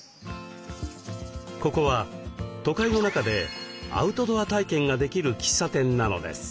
ここは都会の中でアウトドア体験ができる喫茶店なのです。